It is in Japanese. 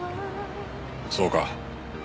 そうか。